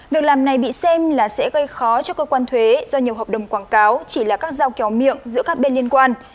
việc làm này bị xem là sẽ gây khó cho cơ quan thuế do nhiều hợp đồng quảng cáo chỉ là các giao kèo miệng giữa các bên liên quan